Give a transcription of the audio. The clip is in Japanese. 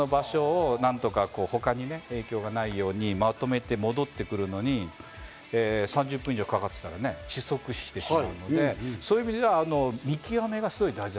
その場所を何とか他に影響がないようにまとめて戻ってくるのに３０分以上かかってたら窒息死してしまうので、そういう意味じゃあ見極めがすごく大事。